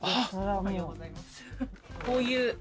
おはようございます。